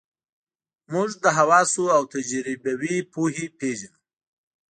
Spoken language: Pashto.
موږ له حواسو او تجربوي پوهې پېژنو.